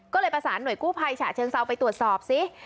ก็เลยประสานหน่วยกู้ภัยฉะเชิงเซาไปตรวจสอบซิ